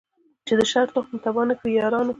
چي د شر تخم تباه نه کړی یارانو